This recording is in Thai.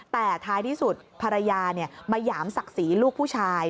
แต่ท้ายที่สุดภรรยามาหยามศักดิ์ศรีลูกผู้ชาย